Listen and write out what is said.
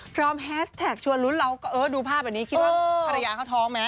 แฮสแท็กชวนลุ้นเราก็เออดูภาพแบบนี้คิดว่าภรรยาเขาท้องไหม